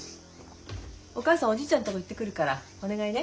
お母さんおじいちゃんとこ行ってくるからお願いね。